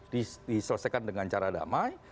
diselesaikan dengan cara damai